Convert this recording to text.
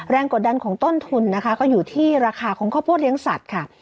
กดดันของต้นทุนนะคะก็อยู่ที่ราคาของข้าวโพดเลี้ยงสัตว์ค่ะ